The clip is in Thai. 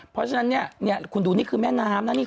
เพราะฉะนั้นเนี่ยคุณดูนี่คือแม่น้ำนะนี่